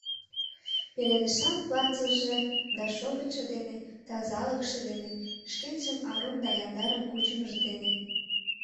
Пеледышан платьыже да шовычшо дене, тазалыкше дене, шкенжым арун да яндарын кучымыж дене.